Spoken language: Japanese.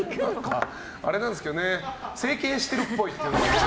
あれなんですけど整形してるっぽい。